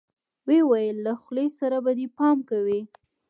ويې ويل له خولې سره به دې پام کوې.